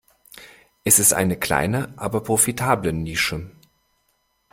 Es ist eine kleine aber profitable Nische.